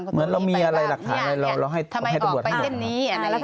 เหมือนเรามีอะไรหลักฐานอะไรเราให้ตรงนี้ออกไปเท่านี้